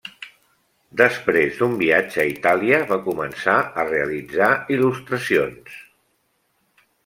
Després d'un viatge a Itàlia, va començar a realitzar il·lustracions.